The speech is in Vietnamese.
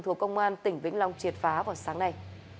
thuộc công an tỉnh vĩnh long triệt phá vào sáng nay